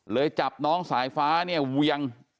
จับน้องสายฟ้าเนี่ยเวียง